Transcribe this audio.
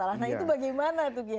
nah itu bagaimana tugyai